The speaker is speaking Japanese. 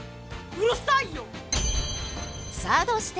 うるさいよ！